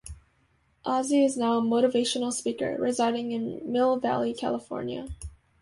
Azzi is now a motivational speaker, residing in Mill Valley, California.